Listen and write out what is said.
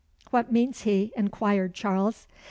"What means he?" inquired Charles.